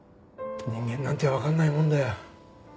人間なんてわかんないもんだよ。